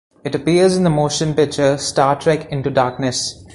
It appears in the motion picture "Star Trek Into Darkness".